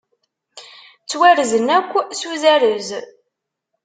Ttwarzen akk s uzarez.